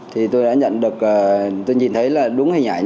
thì tôi đã nhận được tôi nhìn thấy là đúng hình ảnh